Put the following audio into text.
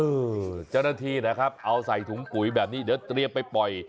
เจ้าหน้าที่นะครับเอาใส่ถุงปุ๋ยแบบนี้เดี๋ยวเตรียมไปปล่อย